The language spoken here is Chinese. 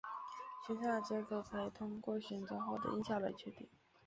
选项的结果可以透过选择后的音效来确认。